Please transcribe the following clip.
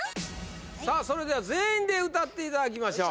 さあそれでは全員で歌っていただきましょう